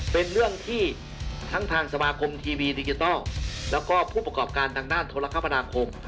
เป็นเรื่องที่ทั้งทางสมาคมทีวีดิจิทัลแล้วก็ผู้ประกอบการทางด้านโทรคมนาคม